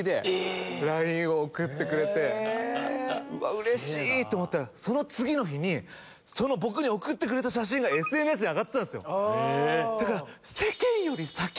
うれしい！と思ったらその次の日に僕に送ってくれた写真がＳＮＳに上がってたんすよ。